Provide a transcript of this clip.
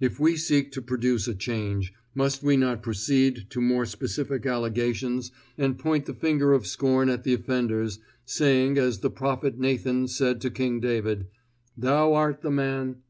If we seek to produce a change, must we not proceed to more specific allegations and point the finger of scorn at the offenders, saying as the Prophet Nathan said to King David: "Thou art the man"?